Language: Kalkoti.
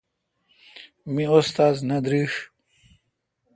می استاد نہ درݭ ۔